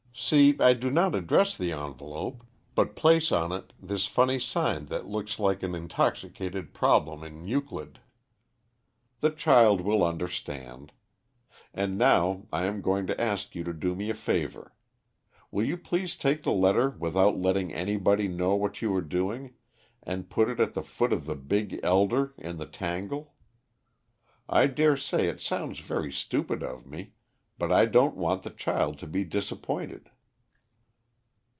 "See, I do not address the envelope, but place on it this funny sign that looks like an intoxicated problem in Euclid. The child will understand. And now I am going to ask you to do me a favor. Will you please take the letter without letting anybody know what you are doing, and put it at the foot of the big elder in the tangle? I dare say it sounds very stupid of me, but I don't want the child to be disappointed."